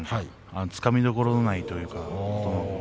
つかみどころがないというか。